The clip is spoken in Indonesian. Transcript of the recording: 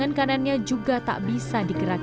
untuk mendidak siang di video